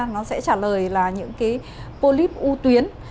nó sẽ trả lời là những cái polyp u tuyến